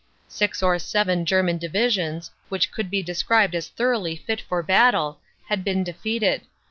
Six or seven German Divisions, which could be described as thoroughly fit for battle, had been defeated.